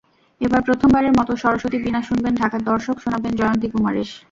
এবার প্রথমবারের মতো সরস্বতী বীণা শুনবেন ঢাকার দর্শক, শোনাবেন জয়ন্তী কুমারেশ।